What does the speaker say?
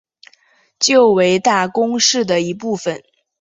旧为大宫市的一部分。